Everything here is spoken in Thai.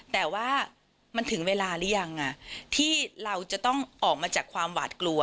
แต่ว่ามันถึงเวลาหรือยังที่เราจะต้องออกมาจากความหวาดกลัว